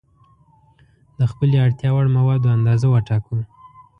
د خپلې اړتیا وړ موادو اندازه وټاکو.